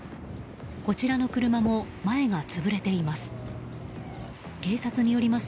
こちらの車も前が潰れています。